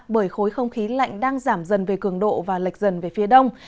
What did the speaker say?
bởi khối không khí lạnh đang giảm dần về cường độ và lệch dần về phía đông